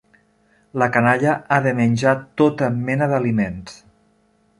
La canalla ha de menjar tota mena d'aliments.